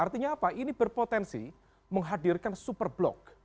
artinya apa ini berpotensi menghadirkan super blok